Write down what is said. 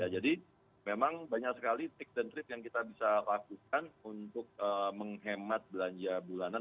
jadi memang banyak sekali tips dan trik yang kita bisa lakukan untuk menghemat belanja bulanan